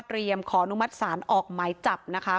เตรียมขอนุมัติศาลออกไหมจับนะคะ